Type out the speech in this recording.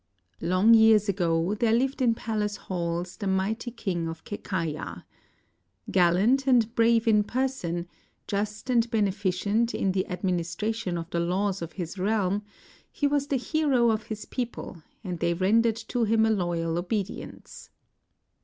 ] Long years ago there lived in palace halls the mighty King of Kekaya. Gallant and brave in person, just and beneficent in the administration of the laws of his realm, he was the hero of his people and they rendered to him a loyal obedience.